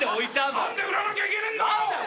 何で売らなきゃいけねえんだよ。